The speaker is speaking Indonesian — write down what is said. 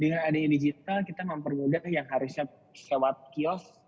dengan adanya digital kita mempermudah yang harusnya sewa kios